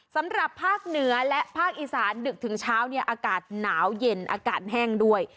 สำหรับภาคเหนือและภาคอีสานดึกถึงเช้าเนี่ยอากาศหนาวเย็นอากาศแห้งด้วย